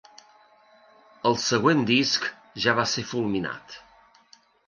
El següent disc ja va ser fulminat.